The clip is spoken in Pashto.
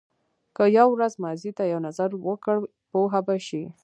که یو ورځ ماضي ته یو نظر وکړ پوه به شې.